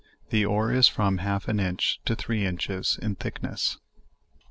The ore is from half an inch to three inches in thickness.